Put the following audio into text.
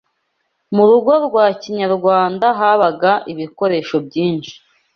Mu rugo rwa Kinyarwanda habaga ibikoresho byinshi